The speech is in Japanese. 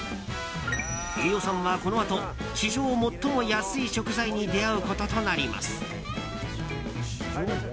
飯尾さんはこのあと史上最も安い食材に出会うこととなります。